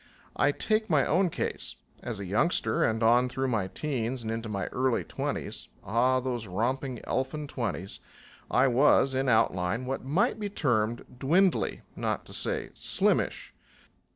I take my own case. As a youngster and on through my teens and into my early twenties ah, those romping elfin twenties! I was, in outline, what might be termed dwindly, not to say slimmish.